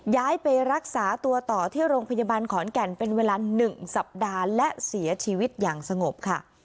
ย้ายไปรักษาตัวต่อที่โรงพยาบาลขอนแก่นเป็นเวลา๑สัปดาห์และเสียชีวิตอย่างสงบค่ะ